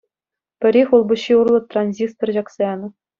Пӗри хул-пуҫҫи урлӑ транзистор ҫакса янӑ.